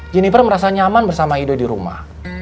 jennifer merasa nyaman bersama ido di rumah